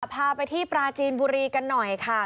พาไปที่ปราจีนบุรีกันหน่อยค่ะ